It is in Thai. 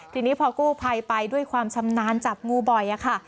ทีนี้พอกู้ภัยไปด้วยความชำนาญจับงูบ่อยค่ะ